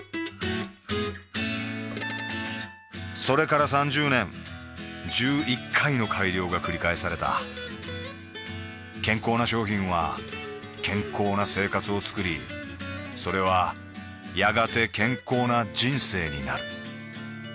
それから３０年１１回の改良がくり返された健康な商品は健康な生活をつくりそれはやがて健康な人生になる